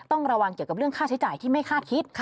ต้องระวังเกี่ยวกับเรื่องค่าใช้จ่ายที่ไม่คาดคิด